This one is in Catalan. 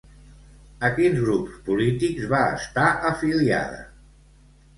A quins grups polítics va estar afiliada?